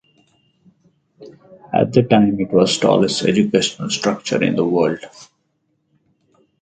At the time, it was the tallest educational structure in the world.